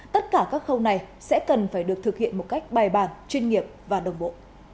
tất cả các khâu này sẽ cần phải được thực hiện một cách bài bản chuyên nghiệp và đồng bộ